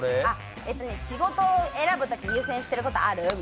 仕事を選ぶとき優先してることある？